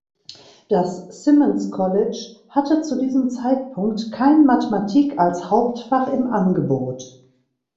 Das Simmons College hatte zu diesem Zeitpunkt kein Mathematik als Hauptfach im Angebot.